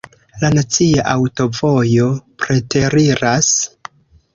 La nacia aŭtovojo preteriras.